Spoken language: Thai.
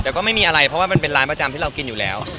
แต่ก็ไม่มีอะไรเพราะว่ามันเป็นร้านประจำที่เรากินอยู่แล้ว